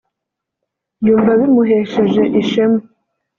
yumva bimuhesheje ishema